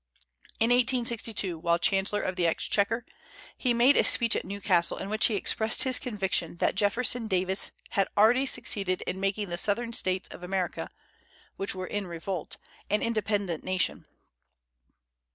In 1862, while chancellor of the exchequer, he made a speech at Newcastle in which he expressed his conviction that Jefferson Davis had "already succeeded in making the Southern States of America [which were in revolt] an independent nation."